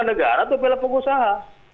negara atau belah pengusaha